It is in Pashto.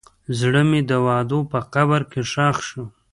زړه مې د وعدو په قبر کې ښخ شو.